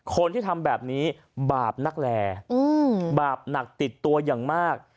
คนที่ทำแบบนี้บาปนักแลบาปหนักติดตัวอย่างมาก